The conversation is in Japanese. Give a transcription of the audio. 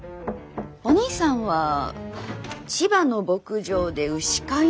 お兄さんは千葉の牧場で牛飼いの仕事。